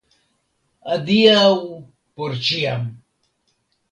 Adiaŭ por ĉiam!